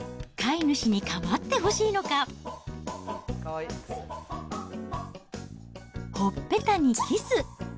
飼い主に構ってほしいのか、ほっぺたにキス。